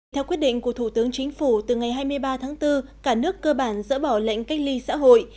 theo quyết định của thủ tướng chính phủ từ ngày hai mươi ba tháng bốn cả nước cơ bản dỡ bỏ lệnh cách ly xã hội